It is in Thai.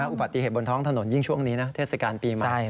อุบัติเหตุบนท้องถนนยิ่งช่วงนี้นะเทศกาลปีใหม่